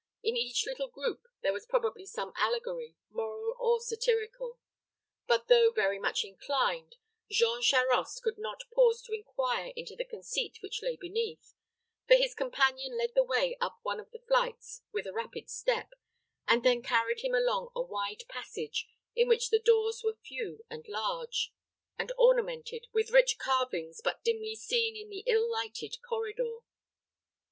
In each little group there was probably some allegory, moral or satirical; but, though very much inclined, Jean Charost could not pause to inquire into the conceit which lay beneath, for his companion led the way up one of the flights with a rapid step, and then carried him along a wide passage, in which the doors were few and large, and ornamented with rich carvings, but dimly seen in the ill lighted corridor.